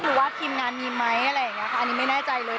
สรุปคลิมงานมีมั้ยอะไรอย่างเงี้ยค่ะอันนี้ไม่แน่ใจเลย